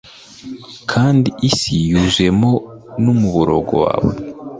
Kandi isi yuzuwemo n’umuborogo wawe